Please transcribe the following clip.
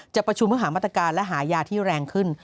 จะประชุมเพื่อหามาตรการและหายาที่แรงขึ้น